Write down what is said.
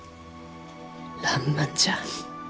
らんまんじゃ。